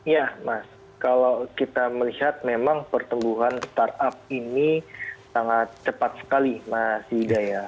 ya mas kalau kita melihat memang pertumbuhan startup ini sangat cepat sekali mas hidaya